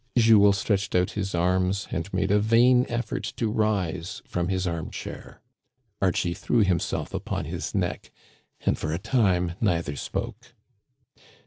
Jules stretched out his arms and made a vain effort to rise from his arm chair. Archie threw himself upon his neck, and for a time neither spoke.